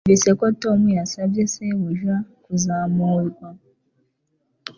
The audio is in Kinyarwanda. Numvise ko Tom yasabye shebuja kuzamurwa.